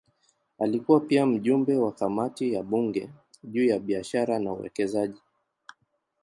Alikuwa pia mjumbe wa kamati ya bunge juu ya biashara na uwekezaji.